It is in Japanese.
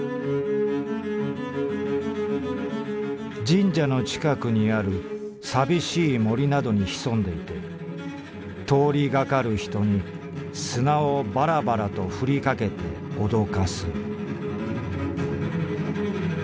「神社の近くにある寂しい森などに潜んでいて通りがかる人に砂をばらばらと振りかけて脅かす」。